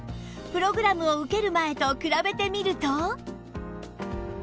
プログラムを受ける前と比べてみると